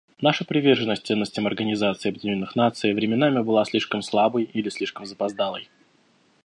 Наша приверженность ценностям Организации Объединенных Наций временами была слишком слабой или слишком запоздалой.